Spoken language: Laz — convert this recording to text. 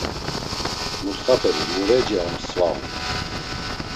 Mutxaperi, mureci ar sva on.